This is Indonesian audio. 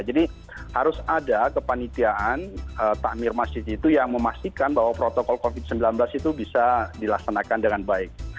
jadi harus ada kepanitiaan tamir masjid itu yang memastikan bahwa protokol covid sembilan belas itu bisa dilaksanakan dengan baik